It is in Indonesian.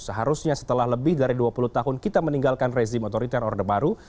seharusnya setelah lebih dari dua puluh tahun kita meninggalkan rezim otoriter orde baru